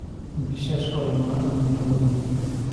বিশ্বাস কর মা, আমি ভাল মেয়ে।